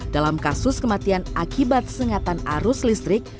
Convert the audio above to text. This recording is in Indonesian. dalam kasus kematian akibat sengatan arus listrik